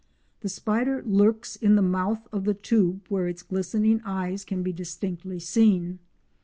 The spider lurks in the mouth of the tube where its glistening eyes can be distinctly seen.